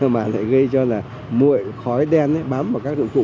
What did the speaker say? mà lại gây cho là mụi khói đen bám vào các dụng cụ